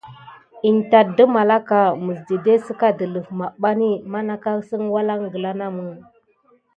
In tat də malaka məs dide səka dələf maɓanbi man aka əsən walangla namə.